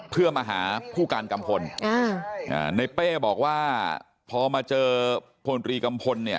เพื่อมาหาผู้การกัมพลในเป้บอกว่าพอมาเจอพลตรีกัมพลเนี่ย